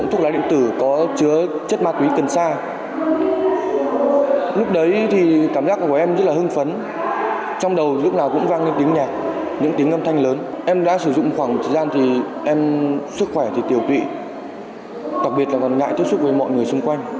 nếu không khỏe thì tiểu tụy đặc biệt là còn ngại tiếp xúc với mọi người xung quanh